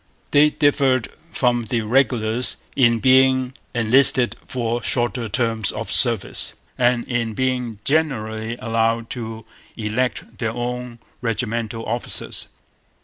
They differed from the regulars in being enlisted for shorter terms of service and in being generally allowed to elect their own regimental officers.